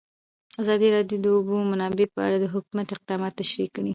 ازادي راډیو د د اوبو منابع په اړه د حکومت اقدامات تشریح کړي.